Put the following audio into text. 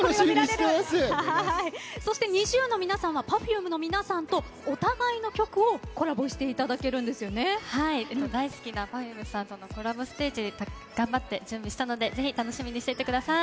ＮｉｚｉＵの皆さんはＰｅｒｆｕｍｅの皆さんとお互いの曲を大好きなＰｅｒｆｕｍｅさんとのコラボステージ頑張って準備したのでぜひ楽しみにしていてください。